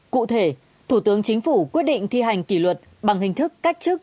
cụ thể thủ tướng chính phủ quyết định thi hành kỷ luật bằng hình thức cách chức